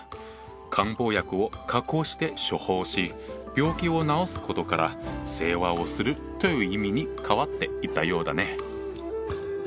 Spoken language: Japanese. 漢方薬を加工して処方し病気を治すことから世話をするという意味に変わっていったようだね。